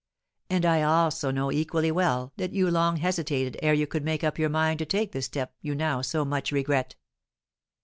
And I also know equally well that you long hesitated ere you could make up your mind to take the step you now so much regret."